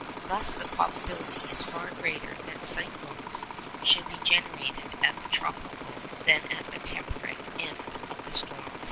Thus the probability is far greater that cyclones should be generated at the tropical than at the temperate end of the storm ⊂.